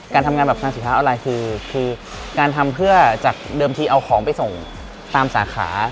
การทำงานแบบทางสินค้าออนไลน์คือการทำเพื่อจากเดิมทีเอาของไปส่งตามสาขา